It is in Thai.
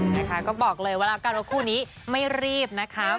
นะคะก็บอกเลยว่ากับคู่นี้ไม่รีบนะคะ